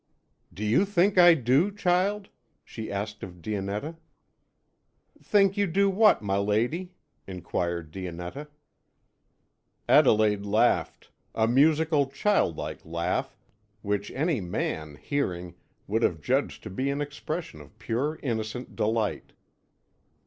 "Do you think I do, child?" she asked of Dionetta. "Think you do what, my lady?" inquired Dionetta. Adelaide laughed, a musical, child like laugh which any man, hearing, would have judged to be an expression of pure innocent delight.